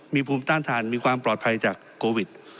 มีภูมิต้านทานมีความปลอดภัยจากโควิด